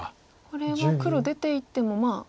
これは黒出ていってもまあ。